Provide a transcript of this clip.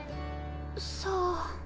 さあ。